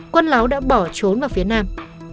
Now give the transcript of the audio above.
quân láo đã bỏ trốn vào phía nam